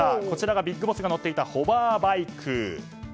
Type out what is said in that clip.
こちらがＢＩＧＢＯＳＳが乗っていたホバーバイク。